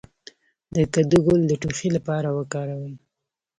د کدو ګل د ټوخي لپاره وکاروئ